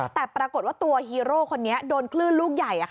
แต่ปรากฏว่าตัวฮีโร่คนนี้โดนคลื่นลูกใหญ่